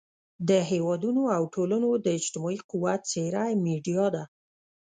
د هېوادونو او ټولنو د اجتماعي قوت څېره میډیا ده.